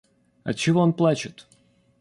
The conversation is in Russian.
— Отчего он плачет?